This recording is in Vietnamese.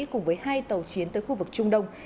cùng với hai tàu chiến tới khu vực trung đông